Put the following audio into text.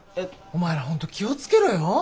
お前ら本当気を付けろよ？